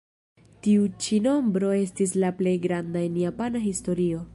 Tiu ĉi nombro estis la plej granda en japana historio.